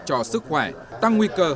cho sức khỏe tăng nguy cơ